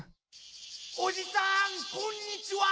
おじさんこんにちは！